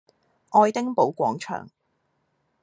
愛丁堡廣場